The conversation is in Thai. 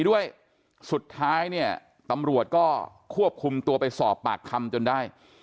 ด้วยสุดท้ายเนี่ยตำรวจก็ควบคุมตัวไปสอบปากคำจนได้